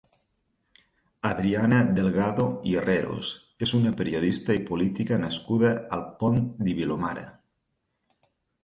Adriana Delgado i Herreros és una periodista i política nascuda al Pont de Vilomara.